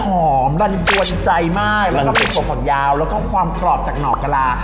หอมรันจวนใจมากแล้วก็เป็นถั่วฝักยาวแล้วก็ความกรอบจากหนอกกะลา